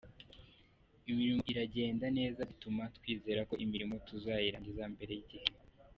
Imirimo iragenda neza bituma twizera ko imirimo tuzayirangiza mbere y’igihe.